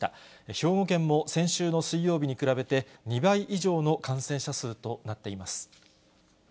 兵庫県も先週の水曜日に比べて、２倍以上の感染者数となっています。